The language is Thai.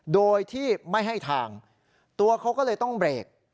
โดยที่ไม่ให้ทางตัวเขาก็เลยต้องเบรก